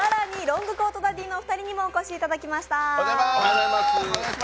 更にロングコートダディのお二人にもお越しいただきました。